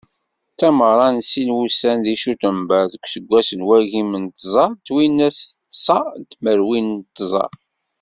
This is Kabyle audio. D tameɣra n sin n wussan deg cutember deg useggas n wagim d tẓa twinas d ṣa tmerwin d tẓa.